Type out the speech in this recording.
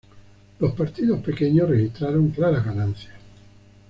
Los partidos pequeños registraron claras ganancias.